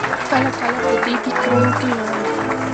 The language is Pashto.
کله کله په دې فکرونو کې وم.